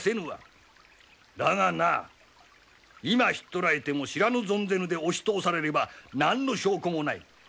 だがな今ひっ捕らえても知らぬ存ぜぬで押し通されれば何の証拠もない。